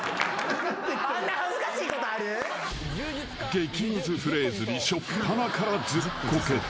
［激ムズフレーズに初っぱなからずっこけた］